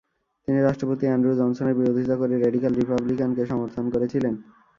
তিনি রাষ্ট্রপতি অ্যান্ড্রু জনসনের বিরোধিতা করে র্যাডিকাল রিপাবলিকানকে সমর্থন করেছিলেন।